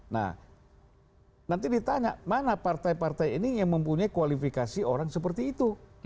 nah nanti ditanya mana partai partai ini yang mempunyai kualifikasi orang seperti itu